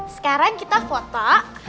sekarang kita foto